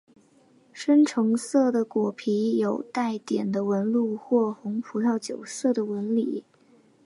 深橙色的果皮有带点的纹路或红葡萄酒色的纹理。